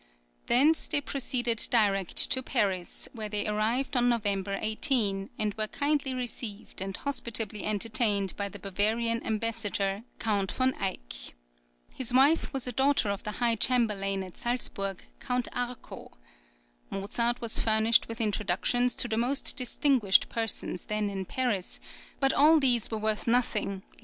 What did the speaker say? Thence they proceeded direct to Paris, where they arrived on November 18, and were kindly received and hospitably entertained by the Bavarian ambassador, Count von Eyck. His wife was a daughter of the high chamberlain at Salzburg, Count Arco. Mozart was furnished with introductions to the most distinguished persons then in Paris; but all these were worth nothing, L.